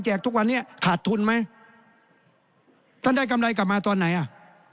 ทุกวันนี้ขาดทุนไหมท่านได้กำไรกลับมาตอนไหนอ่ะ